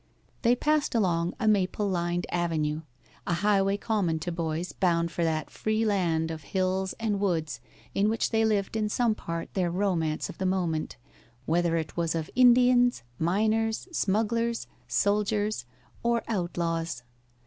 They passed along a maple lined avenue, a highway common to boys bound for that free land of hills and woods in which they lived in some part their romance of the moment, whether it was of Indians, miners, smugglers, soldiers, or outlaws.